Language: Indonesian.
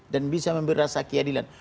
dan bisa memberi rasa keyadilan